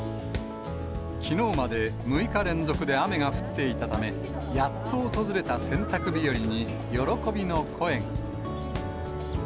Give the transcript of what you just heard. きのうまで６日連続で雨が降っていたため、やっと訪れた洗濯日和に喜びの声が。